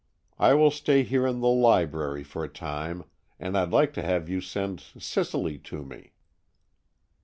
I will stay here in the library for a time, and I'd like to have you send Cicely to me."